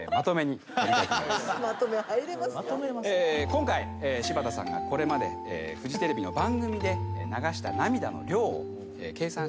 今回柴田さんがこれまでフジテレビの番組で流した涙の量を計算してみました。